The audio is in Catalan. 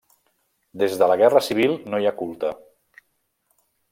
Des de la Guerra Civil no hi ha culte.